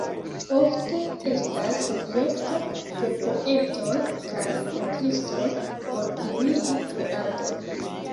Ofte estas objekto de poetoj kaj pentristoj por ilia kreado.